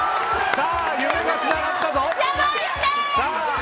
夢がつながったぞ！